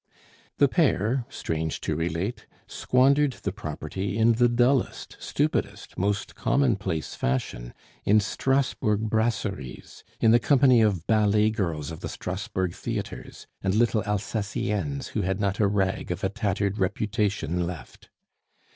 The pair, strange to relate, squandered the property in the dullest, stupidest, most commonplace fashion, in Strasbourg brasseries, in the company of ballet girls of the Strasbourg theatres, and little Alsaciennes who had not a rag of a tattered reputation left.